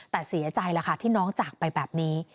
แต่เสียใจแล้วค่ะที่น้องจากไปแบบนี้